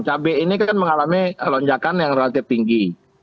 cabai ini kan mengalami lonjakan yang relatif tinggi